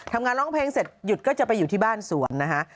ร้องเพลงเสร็จหยุดก็จะไปอยู่ที่บ้านสวนนะฮะ